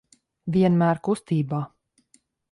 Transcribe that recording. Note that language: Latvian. Vienmēr kustībā.